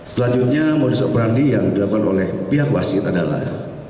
selanjutnya modus operandi yang dilakukan oleh pihak wasit adalah